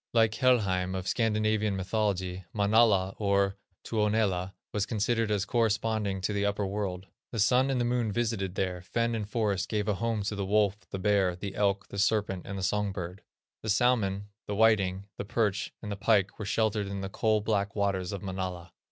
Like Helheim of Scandinavian mythology, Manala, or Tuonela, was considered as corresponding to the upper world. The Sun and the Moon visited there; fen and forest gave a home to the wolf, the bear, the elk, the serpent, and the songbird; the salmon, the whiting, the perch, and the pike were sheltered in the "coal black waters of Manala."